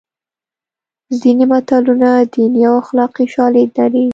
ځینې متلونه دیني او اخلاقي شالید لري